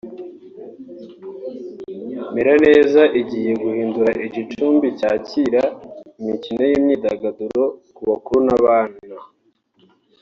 Meraneza igiye guhindurwa igicumbi cyakira imikino n’imyidagaduro ku bakuru n’abana